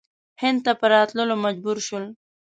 هند ته په راتللو مجبور شول.